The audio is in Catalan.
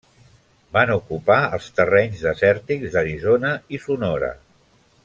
Van ocupar els terrenys desèrtics d'Arizona i Sonora.